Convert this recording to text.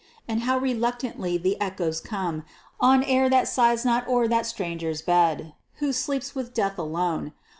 And how reluctantly the echoes come, On air that sighs not o'er that stranger's bed, Who sleeps with death alone.